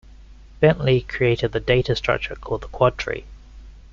Bentley created the data structure called the quadtree.